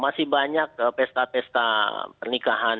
masih banyak pesta pesta pernikahan